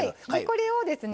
これをですね